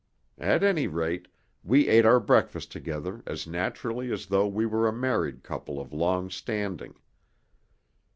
At any rate, we ate our breakfast together as naturally as though we were a married couple of long standing.